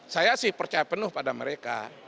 saya sih percaya penuh pada mereka